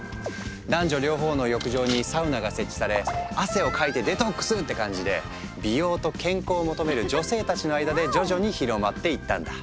男女両方の浴場にサウナが設置され「汗をかいてデトックス！」って感じで美容と健康を求める女性たちの間で徐々に広まっていったんだ。